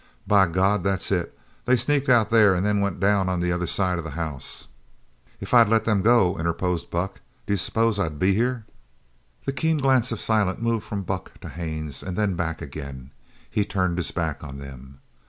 "By God, that's it! They sneaked out there and then went down on the other side of the house." "If I had let them go," interposed Buck, "do you suppose I'd be here?" The keen glance of Silent moved from Buck to Haines, and then back again. He turned his back on them.